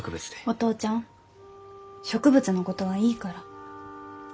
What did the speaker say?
お父ちゃん植物のことはいいから。